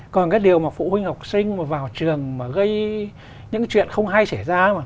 còn cái điều mà phụ huynh học sinh mà vào trường mà gây những cái chuyện không hay xảy ra